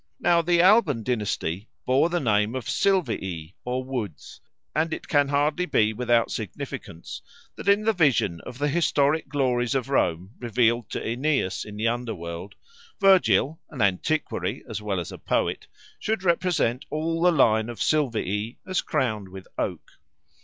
Now the Alban dynasty bore the name of Silvii or Wood, and it can hardly be without significance that in the vision of the historic glories of Rome revealed to Aeneas in the underworld, Virgil, an antiquary as well as a poet, should represent all the line of Silvii as crowned with oak.